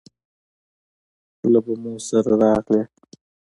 له بمو سره راغلې